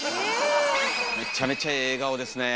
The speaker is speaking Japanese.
めっちゃめちゃええ笑顔ですねえ。